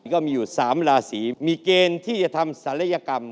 ก็มีอยู่๓ราศีมีเกณฑ์ที่จะทำศัลยกรรม